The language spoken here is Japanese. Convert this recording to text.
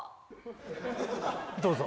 どうぞ！